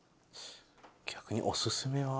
逆におすすめは？